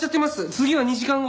次は２時間後。